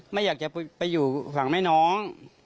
ไม่อยากจะไปอยู่ฝั่งแม่น้อง